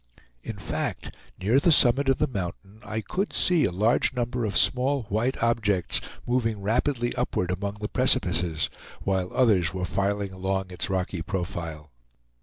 In fact, near the summit of the mountain, I could see a large number of small white objects, moving rapidly upward among the precipices, while others were filing along its rocky profile.